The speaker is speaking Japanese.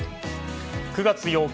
９月８日